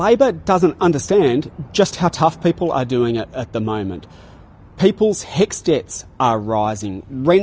ia adalah waktunya bagi pemerintah untuk berpikir tentang bagaimana australia dapat berbuat lebih baik dalam menangani perbajakan